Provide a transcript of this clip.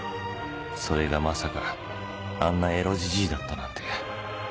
それがまさかあんなエロじじいだったなんて］